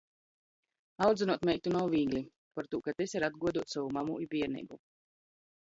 Audzynuot meitu nav vīgli, partū ka tys ir atguoduot sovu mamu i bierneibu.